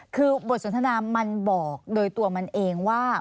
คือบทสนทนามันบอกโดยตัวมันเองว่า